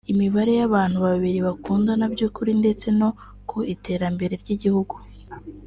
imibanire y'abantu babiri bakundana by'ukuri ndetse no ku iterambere ry'igihugu